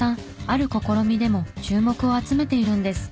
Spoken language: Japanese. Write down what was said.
ある試みでも注目を集めているんです。